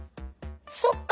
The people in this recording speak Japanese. そっか！